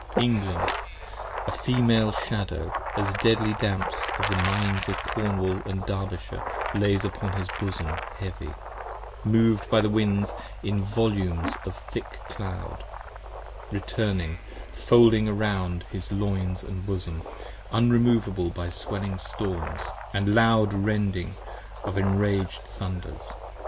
England, a Female Shadow, as deadly damps Of the Mines of Cornwall & Derbyshire lays upon his bosom heavy, Moved by the wind in volumes of thick cloud, returning, folding round 10 His loins & bosom, unremovable by swelling storms & loud rending Of enraged thunders.